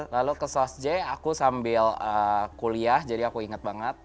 lalu ke sosg aku sambil kuliah jadi aku inget banget